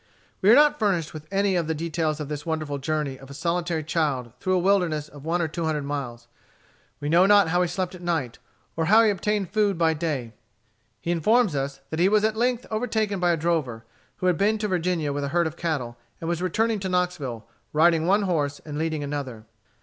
We are not furnished with any of the details of this wonderful journey of a solitary child through a wilderness of one or two hundred miles. We know not how he slept at night, or how he obtained food by day. He informs us that he was at length overtaken by a drover, who had been to Virginia with a herd of cattle, and was returning to Knoxville riding one horse and leading another.